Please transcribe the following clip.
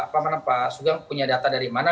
pak sugeng punya data dari mana